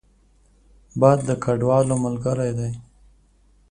باد د کډوالو ملګری دی